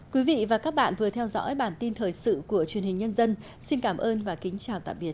quý vị và các bạn vừa theo dõi bản tin thời sự của truyền hình nhân dân xin cảm ơn và kính chào tạm biệt